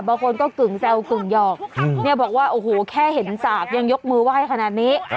บางคนก็กึ่งแซวกึ่งหยอกเนี่ยบอกว่าโอ้โหแค่เห็นสากยังยกมือไหว้ขนาดนี้